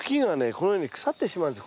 このように腐ってしまうんです。